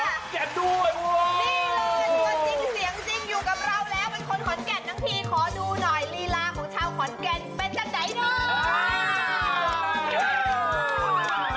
นี่เลยนี่ก็จริงเสียงจริงอยู่กับเราแล้ว